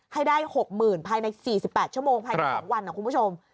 ให้ได้๖๐๐๐ภายใน๔๘ชั่วโมงภายใน๒วันนะคุณผู้ชม